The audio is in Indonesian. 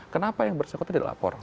kenapa yang bersekutu dilapor